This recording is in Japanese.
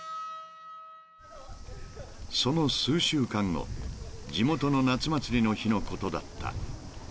［その数週間後地元の夏祭りの日のことだった］